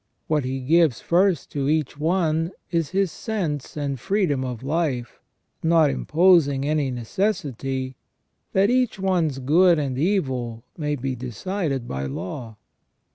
What He gives first to each one is his sense and freedom of life, not imposing any necessity, that each one's good and evil may be decided by law.